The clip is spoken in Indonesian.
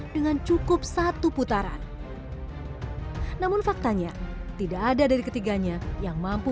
dengan cukup satu putaran namun faktanya tidak ada dari ketiganya yang mampu